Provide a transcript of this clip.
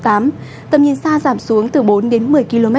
tầm nhìn xa giảm xuống từ bốn đến một mươi km